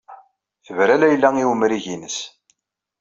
Tebra Layla i umrig-nnes.